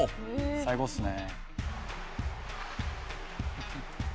最高っすね。